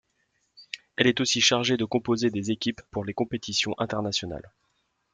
Elle est aussi chargée de composer des équipes pour les compétitions internationales.